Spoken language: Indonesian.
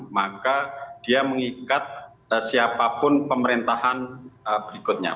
maka dia mengikat siapapun pemerintahan berikutnya